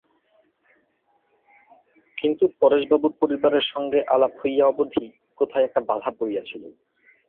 কিন্তু পরেশবাবুর পরিবারের সঙ্গে আলাপ হইয়া অবধি কোথায় একটা বাধা পড়িয়াছিল।